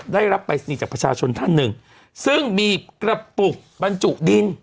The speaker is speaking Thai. ได้รับปรายศนีย์จากประชาชนท่านหนึ่งซึ่งมีกระปุกบรรจุดิน